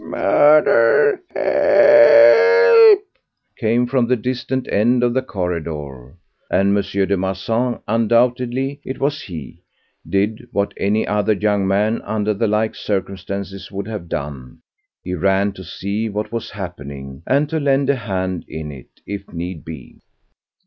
"Murder, help!" came from the distant end of the corridor, and M. de Marsan—undoubtedly it was he—did what any other young man under the like circumstances would have done: he ran to see what was happening and to lend a hand in it, if need be.